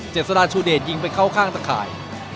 สดาชูเดชยิงไปเข้าข้างตะข่าย